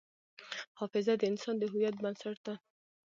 حافظه د انسان د هویت بنسټ ده.